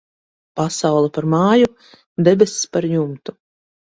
Pasaule par māju, debess par jumtu.